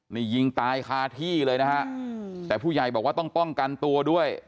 นี่ยิงตายคาที่เลยนะฮะแต่ผู้ใหญ่บอกว่าต้องป้องกันตัวด้วย